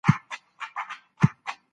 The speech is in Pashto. ولي هغه سړي شکايت درلود؟